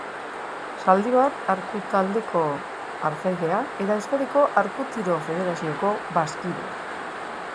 Zaldibar Arku Taldeko partaidea eta Euskadiko Arku Tiro federazioko bazkidea.